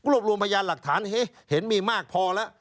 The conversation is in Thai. รวมรวมพยานหลักฐานเห็นมีมากพอแล้ว